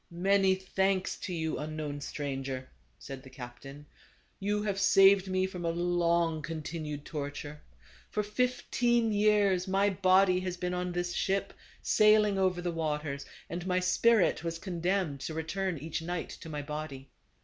" Many thanks to you, unknown stranger," said the captain, "you have saved me from a long continued torture. For fifteen years my body has been on this ship, sailing over the waters; and my spirit was condemned to return each night to my body.